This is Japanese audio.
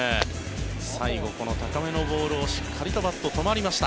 最後、この高めのボールしっかりとバット止まりました。